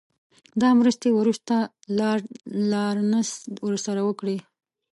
دا مرستې وروسته لارډ لارنس ورسره وکړې.